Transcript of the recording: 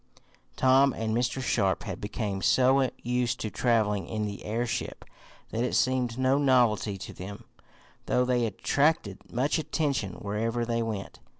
Tom and Mr. Sharp had become so used to traveling in the airship that it seemed no novelty to them, though they attracted much attention wherever they went.